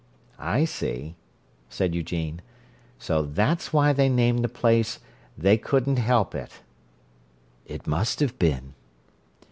"I see," said Eugene. "So that's why they named the place 'They Couldn't Help It'!" "It must have been."